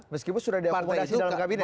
meskipun sudah diakomodasi dalam kabinet